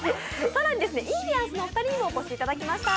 更に、インディアンスのおふたりにもお越しいただきました。